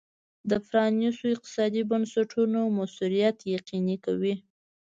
د پرانیستو اقتصادي بنسټونو موثریت یقیني کوي.